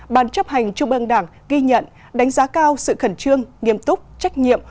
ban chấp hành trung ương đảng ghi nhận đánh giá cao sự khẩn trương nghiêm túc trách nhiệm